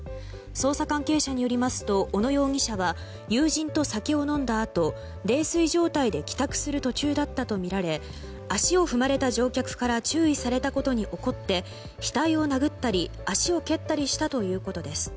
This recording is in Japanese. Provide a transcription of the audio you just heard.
捜査関係者によりますと小野容疑者は友人と酒を飲んだあと泥酔状態で帰宅する途中だったとみられ足を踏まれた乗客から注意されたことに怒って額を殴ったり足を蹴ったりしたということです。